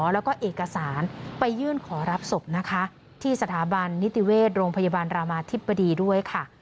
แล้วก็เอกสารไปยื่นขอรับศพนะคะที่สถาบันนิติเวชโรงพยาบาลรามาธิบดีด้วยค่ะ